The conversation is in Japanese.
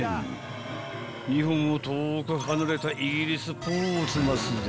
［日本を遠く離れたイギリスポーツマスで］